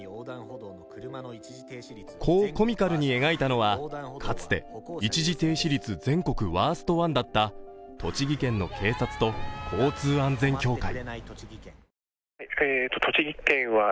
こうコミカルに描いたのはかつて一時停止率全国ワースト１だった栃木県の警察と交通安全協会。